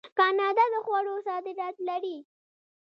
کاناډا د خوړو صادرات لري.